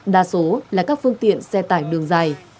đa số là các phương tiện xe tải đường dài